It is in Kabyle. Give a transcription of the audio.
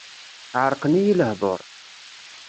Ɛerqen-iyi lehduṛ.